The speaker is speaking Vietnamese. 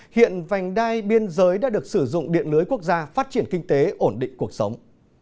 hiện vành đai biên giới đã được sử dụng điện lưới quốc gia phát triển kinh tế ổn định cuộc sống